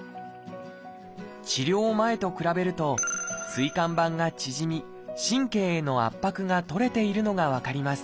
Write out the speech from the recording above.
治療前と比べると椎間板が縮み神経への圧迫が取れているのが分かります